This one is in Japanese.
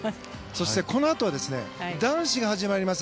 そしてこのあとは男子が始まります。